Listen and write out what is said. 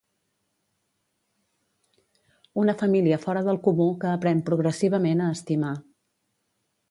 Una família fora del comú que aprèn progressivament a estimar.